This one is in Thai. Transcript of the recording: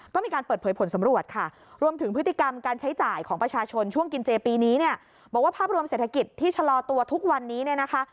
ทีนี้เนี่ยบอกว่าภาพรวมเศรษฐกิจที่ชะลอตัวทุกวันนี้เนี่ยนะคะ